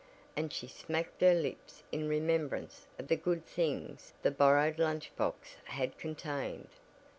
and she smacked her lips in remembrance of the good things the borrowed lunch box had contained.